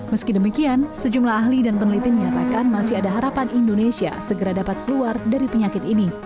meski demikian sejumlah ahli dan peneliti menyatakan masih ada harapan indonesia segera dapat keluar dari penyakit ini